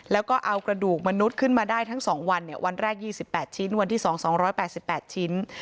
แล้วก็เอากระดูกมนุษย์ขึ้นมาได้ทั้ง๒วันวันแรก๒๘ชิ้นวันที่๒๒๘๘ชิ้น